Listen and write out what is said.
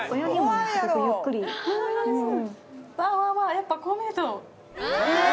やっぱこう見ると。